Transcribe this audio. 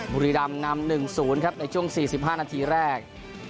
บุรีรำนำ๑๐ครับในช่วง๔๕นาทีแรก